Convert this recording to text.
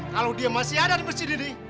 kalau dia masih ada di masjid ini